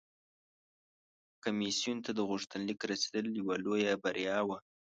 کمیسیون ته د غوښتنلیک رسیدل یوه لویه بریا وه